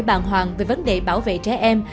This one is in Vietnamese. bàn hoàng về vấn đề bảo vệ trẻ em